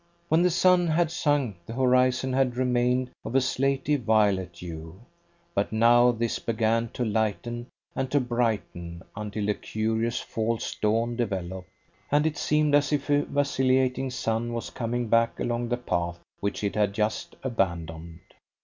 When the sun had sunk, the horizon had remained of a slaty violet hue. But now this began to lighten and to brighten until a curious false dawn developed, and it seemed as if a vacillating sun was coming back along the path which it had just abandoned.